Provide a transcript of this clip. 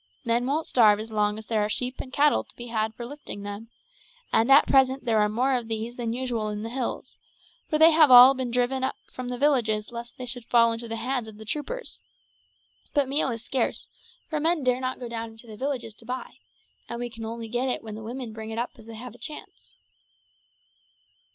Men won't starve as long as there are sheep and cattle to be had for lifting them, and at present there are more of these than usual in the hills, for they have all been driven up from the villages lest they should fall into the hands of the troopers; but meal is scarce, for men dare not go down to the villages to buy, and we only get it when the women bring it up as they have a chance."